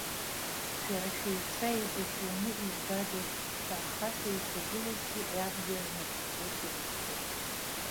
Шәара шәеицәа иеибашьуаны ижәбадаз ҳәа ахацәа ирҿагылозгьы абџьар рнапаҿы ирырҭон.